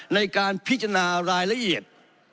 ในการพิจารณารายละเอียด